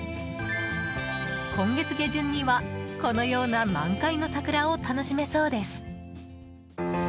今月下旬には、このような満開の桜を楽しめそうです。